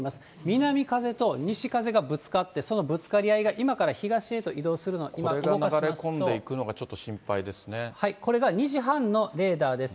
南風と西風がぶつかって、そのぶつかり合いが今から東へと移動するので、今、これが流れ込んでいくのが、これが２時半のレーダーです。